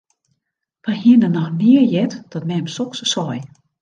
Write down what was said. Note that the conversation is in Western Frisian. Wy hiene noch nea heard dat mem soks sei.